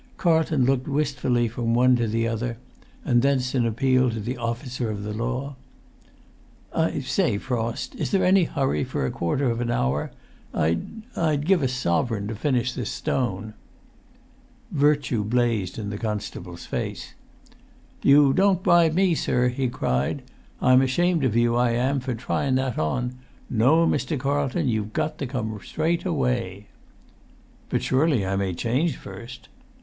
Carlton looked wistfully from one to the other, and thence in appeal to the officer of the law. "I say, Frost, is there any hurry for a quarter of an hour? I'd—I'd give a sovereign to finish this stone!" Virtue blazed in the constable's face. "You don't bribe me, sir!" he cried. "I'm ashamed of you, I am, for tryin' that on! No, Mr. Carlton, you've got to come straight away." "But surely I may change first?"